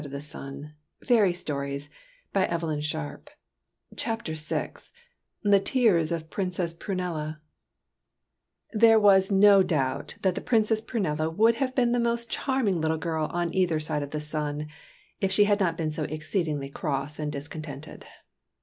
^i The Tears of Princess Prunella The Tears of Princess Prunella THERE is no doubt that the Princess Prunella would have been the most charming little girl on either side of the sun, if she had not been so exceedingly cross and discontented.